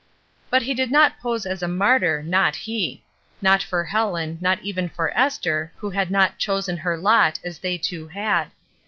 But he did not pose as a martyr, not he! not for Helen, nor even for Esther, who had not "chosen her lot" as they two had.